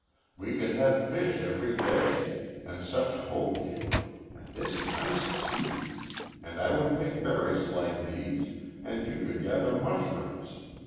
We could have fish every day, and such hoecake, and this nice tea, and I would pick berries like these, and you could gather mushrooms.